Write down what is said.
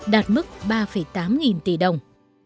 đạt mức ba tám nghìn tỷ đồng